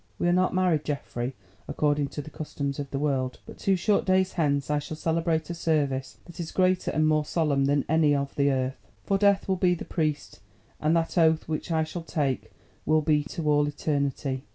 We are not married, Geoffrey, according to the customs of the world, but two short days hence I shall celebrate a service that is greater and more solemn than any of the earth. For Death will be the Priest and that oath which I shall take will be to all eternity.